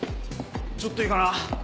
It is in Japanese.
ちょっといいかな？